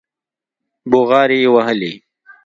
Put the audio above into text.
بوغارې يې وهلې.